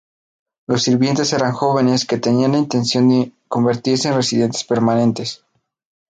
Los sirvientes eran jóvenes que tenían la intención de convertirse en residentes permanentes.